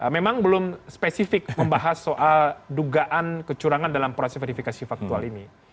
memang belum spesifik membahas soal dugaan kecurangan dalam proses verifikasi faktual ini